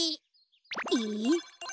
えっ？